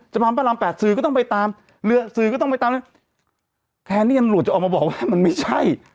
จะมาประลำแปดสื่อก็ต้องไปตามเหลือสื่อก็ต้องไปตามแค่นี้อันโหลดจะออกมาบอกว่ามันไม่ใช่